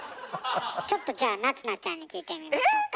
ちょっとじゃあ夏菜ちゃんに聞いてみましょうか？